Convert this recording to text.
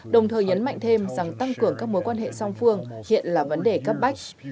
đồng thời nhấn mạnh thêm rằng tăng cường các mối quan hệ song phương hiện là vấn đề cấp bách